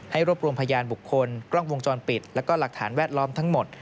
รวบรวมพยานบุคคลกล้องวงจรปิดแล้วก็หลักฐานแวดล้อมทั้งหมด